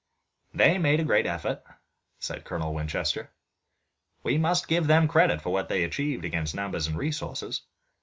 "They made a great effort," said Colonel Winchester. "We must give them credit for what they achieved against numbers and resources.